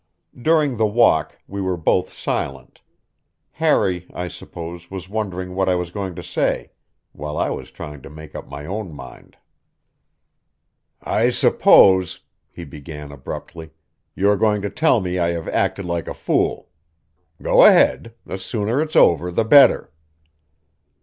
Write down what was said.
During the walk we were both silent: Harry, I suppose, was wondering what I was going to say, while I was trying to make up my own mind. "I suppose," he began abruptly, "you are going to tell me I have acted like a fool. Go ahead; the sooner it's over the better."